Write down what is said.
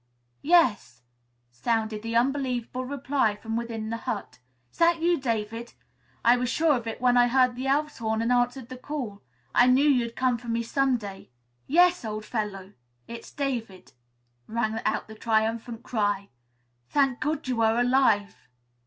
"Yes," sounded the unbelievable reply from within the hut. "Is that you, David! I was sure of it when I heard the Elf's Horn and answered the call. I knew you'd come for me some day." "Yes, old fellow; it's David," rang out the triumphant cry. "Thank God, you are alive!